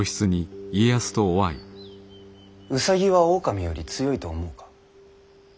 兎は狼より強いと思うか？